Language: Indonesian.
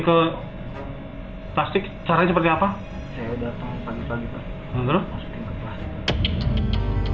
ke plastik caranya seperti apa saya datang pagi pagi pak bener masukin ke plastik